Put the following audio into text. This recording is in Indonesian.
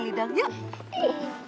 kalo gak dada aja bukan leli